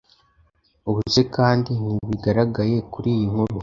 Ubuse kandi ntibigaragaye kuriyi nkuru